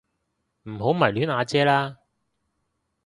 唔好迷戀阿姐啦